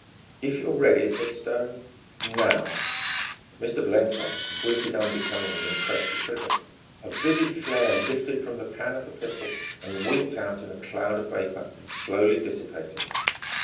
"If you're ready," said Stone "now" Mr. Blensop squinted unbecomingly and pressed the trigger. A vivid flare lifted from the pan of the pistol, and winked out in a cloud of vapour, slowly dissipating.